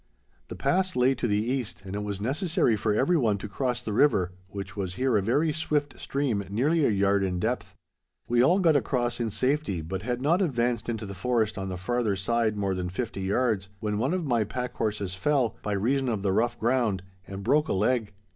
The pass lay to the east, and it was necessary for every one to cross the river, which was here a very swift stream nearly a yard in depth. We all got across in safety, but had not advanced into the forest on the farther side more than fifty yards, when one of my pack horses fell, by reason of the rough ground, and broke a leg.